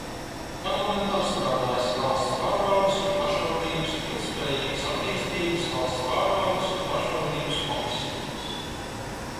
Parlamentā strādājis valsts pārvaldes un pašvaldības, ilgtspējīgas attīstības, valsts pārvaldes un pašvaldības komisijās.